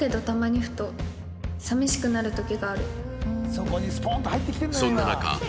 そこにスポンと入ってきてるのよ